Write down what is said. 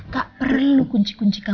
gak perlu kunci kunci aja kan